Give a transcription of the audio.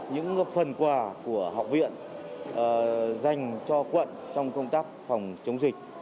những phần quà của học viện dành cho quận trong công tác phòng chống dịch